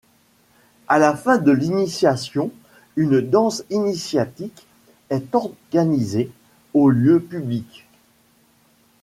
À la fin de l'initiation, une danse initiatique est organisée au lieu public.